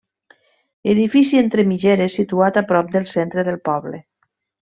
Edifici entre mitgeres, situat a prop del centre del poble.